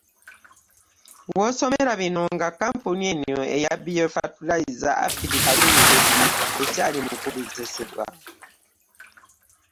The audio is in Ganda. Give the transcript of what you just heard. W'osomera bino nga kkampuni eno eya Biofertilizer Africe Ltd ekyali mu kugezesebwa